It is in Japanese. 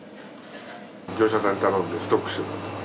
業者さんに頼んでストックしてもらってます。